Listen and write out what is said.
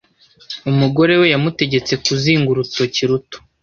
Umugore we yamutegetse kuzinga urutoki ruto.